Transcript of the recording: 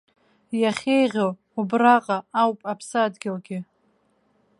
Иахьеиӷьу убраҟа ауп аԥсадгьылгьы.